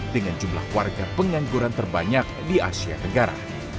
dengan jumlah warga pengangguran terbanyak di asia tenggara